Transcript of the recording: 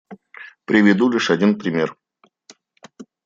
Приведу лишь один пример.